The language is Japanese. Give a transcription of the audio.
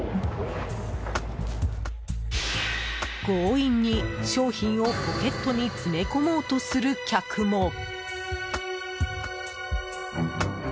強引に商品をポケットに詰め込もうとする客も。